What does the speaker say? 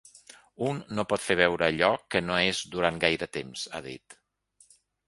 Un no pot fer veure allò que no és durant gaire temps, ha dit.